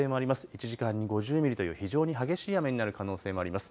１時間に５０ミリという非常に激しい雨になる可能性もあります。